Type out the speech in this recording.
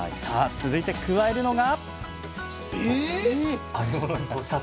続いて加えるのが？